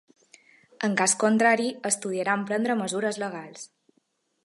En cas contrari, estudiarà emprendre mesures legals.